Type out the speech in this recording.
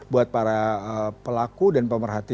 buat para pelaku dan pemerhati